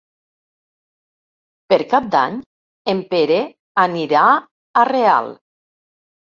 Per Cap d'Any en Pere anirà a Real.